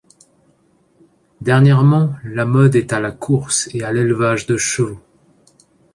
Dernièrement, la mode est à la course et à l’élevage de chevaux.